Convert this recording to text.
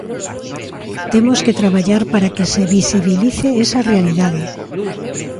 Temos que traballar para que se visibilice esa realidade.